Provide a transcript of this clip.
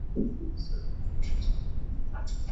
广太镇是下辖的一个乡镇级行政单位。